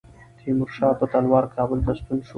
تیمورشاه په تلوار کابل ته ستون شو.